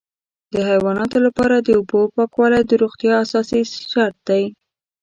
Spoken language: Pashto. د حیواناتو لپاره د اوبو پاکوالی د روغتیا اساسي شرط دی.